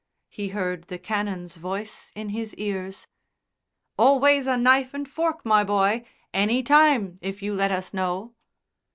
He heard the Canon's voice in his ears: "Always a knife and fork, my boy ... any time if you let us know."